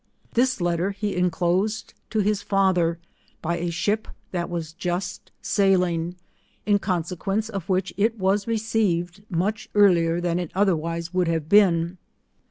This letter he enclosed to his father, by a ship that was just sailing, in consequence of which it was received much earlier than it otherwise would have been.